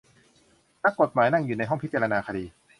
นักกฏหมายนั่งอยู่ในห้องพิจารณาคดี